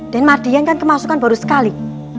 dan mardian kan kemasukan baru sekali